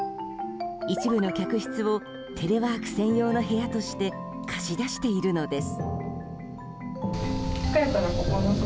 一部の客室をテレワーク専用の部屋として貸し出しているのです。